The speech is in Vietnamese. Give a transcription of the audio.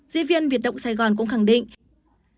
diễn viên biệt động sài gòn cũng khẳng định